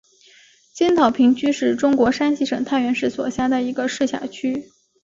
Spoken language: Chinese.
尖草坪区是中国山西省太原市所辖的一个市辖区。